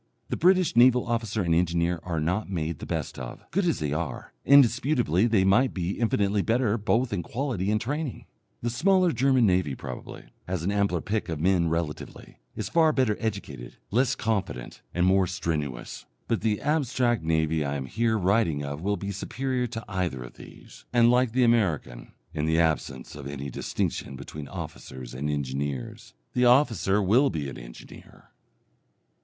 The British naval officer and engineer are not made the best of, good as they are, indisputably they might be infinitely better both in quality and training. The smaller German navy, probably, has an ampler pick of men relatively, is far better educated, less confident, and more strenuous. But the abstract navy I am here writing of will be superior to either of these, and like the American, in the absence of any distinction between officers and engineers. The officer will be an engineer.